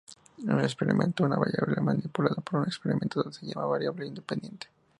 En un experimento, una variable, manipulada por un experimentador, se llama variable independiente.